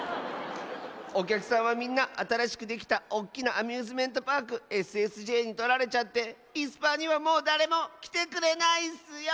おきゃくさんはみんなあたらしくできたおっきなアミューズメントパークＳＳＪにとられちゃっていすパーにはもうだれもきてくれないッスよ。